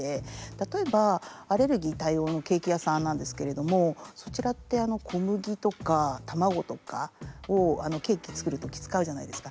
例えばアレルギー対応のケーキ屋さんなんですけれどもそちらって小麦とか卵とかをケーキ作る時使うじゃないですか。